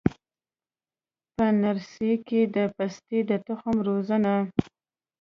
په نرسري کي د پستې د تخم روزنه: